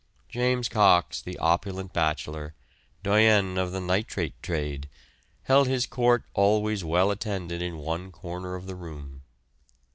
James Cox, the opulent bachelor, doyen of the nitrate trade, held his court always well attended in one corner of the room.